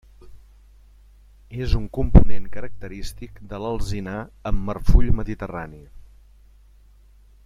És un component característic de l'alzinar amb marfull mediterrani.